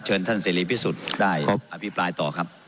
เชิญท่านเศรษฐ์พิสุทธิ์ได้ครับพี่ปลายต่อครับ